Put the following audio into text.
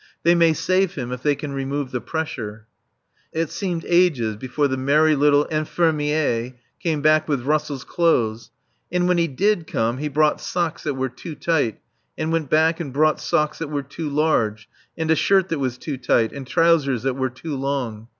They may save him if they can remove the pressure. It seemed ages before the merry little infirmier came back with Russell's clothes. And when he did come he brought socks that were too tight, and went back and brought socks that were too large, and a shirt that was too tight and trousers that were too long.